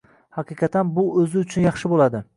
Haqiqatan bu o'zi uchun yaxshi bo'ldi.